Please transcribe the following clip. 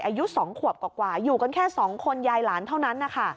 อายุ๒ขวบกว่าอยู่กันแค่๒คนยายหลานเท่านั้นนะคะ